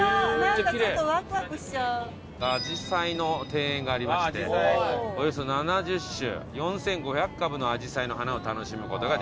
アジサイの庭園がありましておよそ７０種４５００株のアジサイの花を楽しむ事ができると。